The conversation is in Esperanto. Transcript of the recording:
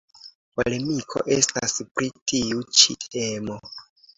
Polemiko estas pri tiu ĉi temo.